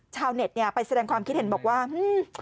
ชาวเน็ตเนี่ยไปแสดงความคิดเห็นบอกว่าอืม